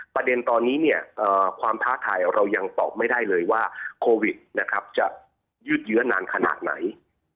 ประเด็นตอนนี้ความท้าทายเรายังตอบไม่ได้เลยว่าโควิดจะยืดเยอะนานขนาดไหน